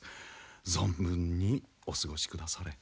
存分にお過ごしくだされ。